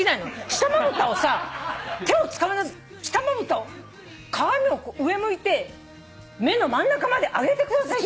下まぶたをさ手を使わず下まぶたを鏡を上向いて目の真ん中まで上げてください。